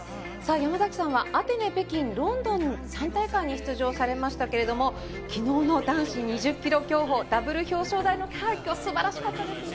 山崎さんはアテネ、北京、ロンドンの３大会に出場されましたが昨日の男子２０ｋｍ競歩ダブル表彰台の快挙素晴らしかったですよね。